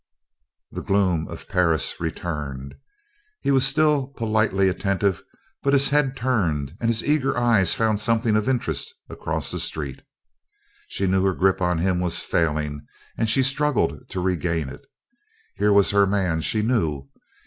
The gloom of Perris returned. He was still politely attentive, but his head turned, and the eager eyes found something of interest across the street. She knew her grip on him was failing and she struggled to regain it. Here was her man, she knew.